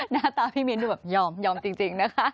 หน้าตาพี่มิ้นดูแบบยอมจริงนะคะ